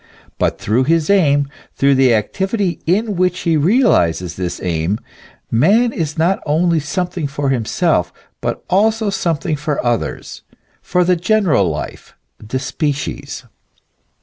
But through his aim, through the activity in which he realizes this aim, man is not only something for himself, but also some thing for others, for the general life, the species.